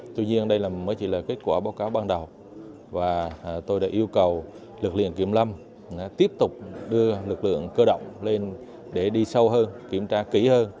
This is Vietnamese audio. tuy nhiên đây mới chỉ là kết quả báo cáo ban đầu và tôi đã yêu cầu lực lượng kiểm lâm tiếp tục đưa lực lượng cơ động lên để đi sâu hơn kiểm tra kỹ hơn